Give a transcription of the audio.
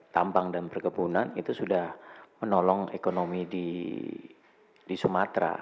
tambang dan perkebunan itu sudah menolong ekonomi di sumatera